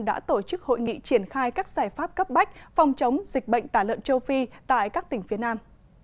đã tổ chức hội nghị triển khai các giải pháp cấp bách phòng chống dịch bệnh tả lợn châu phi tại các tỉnh phía nam